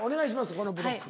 このブロック。